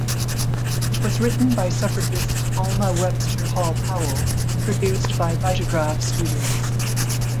It was written by suffragist Alma Webster Hall Powell and produced by Vitagraph Studios.